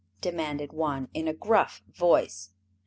demanded one, in a gruff voice.